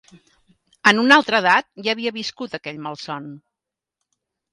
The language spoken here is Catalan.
En una altra edat ja havia viscut aquell malson.